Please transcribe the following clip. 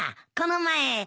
この前。